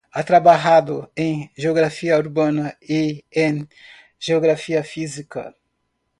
Ha trabajado en Geografía Urbana y en Geografía Física.